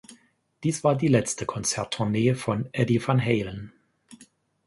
Dies war die letzte Konzerttournee von Eddie van Halen.